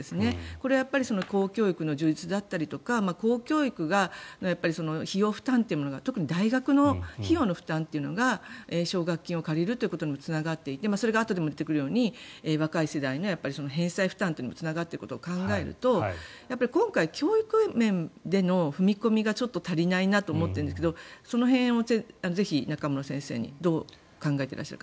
これは公教育の充実だったり公教育が費用負担というものが特に大学の費用の負担が奨学金を借りるということにもつながっていてそれがあとでも出てくるように若い世代の返済負担につながっていくことを考えると今回、教育面での踏み込みがちょっと足りないなと思っているんですがその辺をぜひ中室先生どう考えていらっしゃるか。